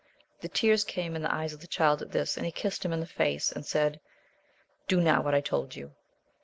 The tears came in the eyes of the Child at this, and he kissed him in the face, and said, do now what I told you.